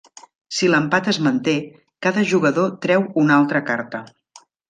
Si l'empat es manté, cada jugador treu una altra carta.